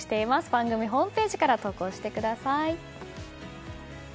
番組ホームページから投稿してください。